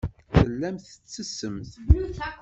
Tellamt tettessemt.